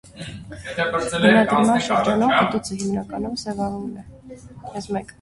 Բնադրման շրջանում կտուցը հիմնականում սևավուն է։